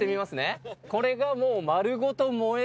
これがもう。